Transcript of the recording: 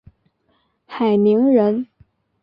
海宁人。